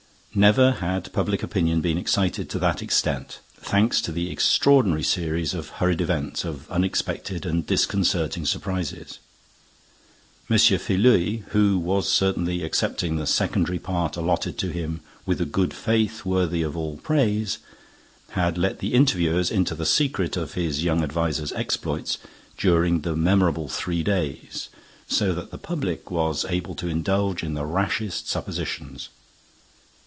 Never had public opinion been excited to that extent, thanks to the extraordinary series of hurried events, of unexpected and disconcerting surprises. M. Filleul, who was certainly accepting the secondary part allotted to him with a good faith worthy of all praise, had let the interviewers into the secret of his young advisor's exploits during the memorable three days, so that the public was able to indulge in the rashest suppositions.